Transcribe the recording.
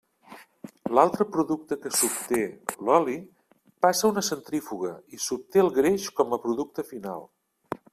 L'altre producte que s'obté, l'oli, passa a una centrífuga i s'obté el greix com a producte final.